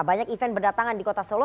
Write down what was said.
banyak event berdatangan di kota solo